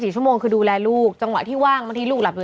๔ชั่วโมงคือดูแลลูกจังหวะที่ว่างบางทีลูกหลับอยู่